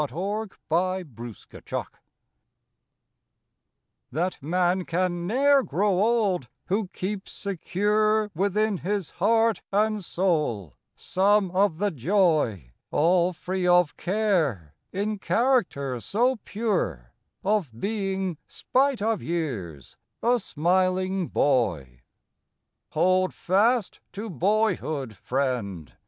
April First HOLD FAST "PHAT man can ne er grow old who keeps secure Within his heart and soul some of the joy All free of care, in character so pure, Of being, spite of years, a smiling boy. Hold fast to Boyhood, Friend!